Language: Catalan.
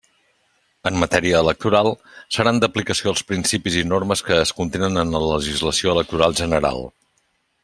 En matèria electoral, seran d'aplicació els principis i normes que es contenen en la legislació electoral general.